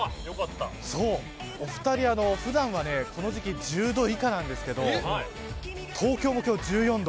お二人、普段はこの時期１０度以下なんですけど東京も今日１４度。